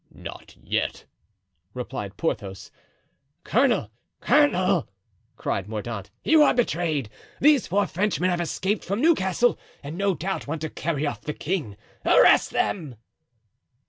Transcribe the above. "Not yet," replied Porthos. "Colonel, colonel," cried Mordaunt, "you are betrayed. These four Frenchmen have escaped from Newcastle, and no doubt want to carry off the king. Arrest them."